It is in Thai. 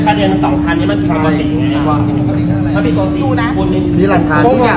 ประเด็นสำคัญนี่มันคิดมันติดไง